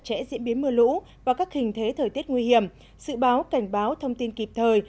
chẽ diễn biến mưa lũ và các hình thế thời tiết nguy hiểm sự báo cảnh báo thông tin kịp thời